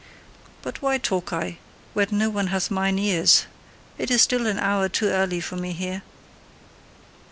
But why talk I, when no one hath MINE ears! It is still an hour too early for me here.